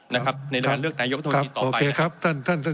นะครับในระดับเลือกนายกรัฐรุนทร์ต่อไปนะครับ